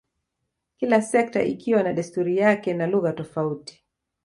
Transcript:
kila sekta ikiwa na desturi yake na lugha tofauti